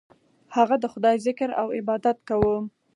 هغه د خدای ذکر او عبادت کاوه.